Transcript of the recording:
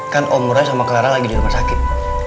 kan omra sama clara lagi di rumah sakit